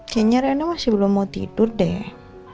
kayaknya reina masih belum mau tidur deh